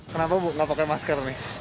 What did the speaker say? kenapa bu nggak pakai masker nih